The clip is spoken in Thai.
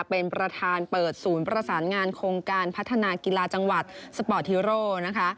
เป็นประธานเปิดศูนย์ประสานงานโครงการพัฒนากีฬาจังหวัดสปอร์ตฮีโร่นะคะ